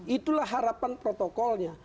itulah harapan protokolnya